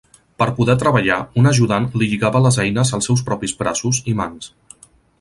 Per poder treballar, un ajudant li lligava les eines als seus propis braços i mans.